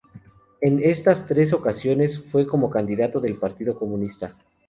En estas tres ocasiones, fue como candidato del Partido Comunista.